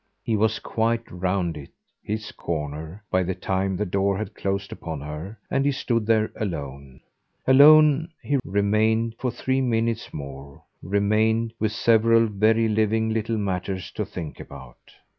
He was quite round it, his corner, by the time the door had closed upon her and he stood there alone. Alone he remained for three minutes more remained with several very living little matters to think about.